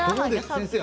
先生